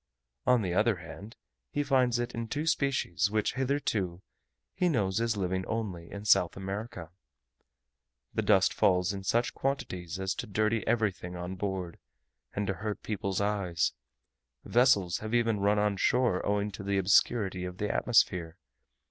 On the other hand, he finds in it two species which hitherto he knows as living only in South America. The dust falls in such quantities as to dirty everything on board, and to hurt people's eyes; vessels even have run on shore owing to the obscurity of the atmosphere.